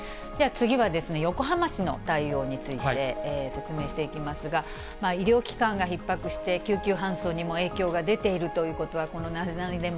では、次は横浜市の対応について、説明していきますが、医療機関がひっ迫して、救急搬送にも影響が出ているということは、このナゼナニっ？